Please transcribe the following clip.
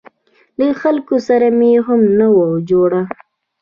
له خلکو سره مې هم نه وه جوړه.